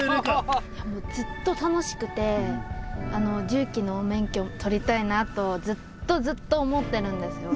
ずっと楽しくて重機の免許取りたいなとずっとずっと思ってるんですよ。